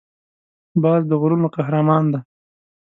باز د غرونو قهرمان دی